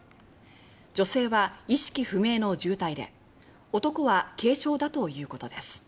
女性は意識不明の重体で男は軽傷だということです。